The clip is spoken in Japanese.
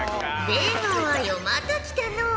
出川よまた来たのう。